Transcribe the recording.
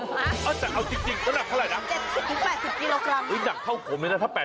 เอาจริงน้ำหนักเท่าไรหละ